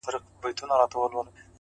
د فکر ژورتیا انسان لوړوي.!